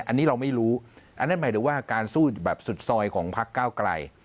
อันนี้เราไม่รู้อันนั้นหมายถึงว่าการสู้แบบสุดซอยของพักเก้าไกล